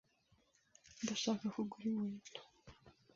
Ndashaka kugura inkweto.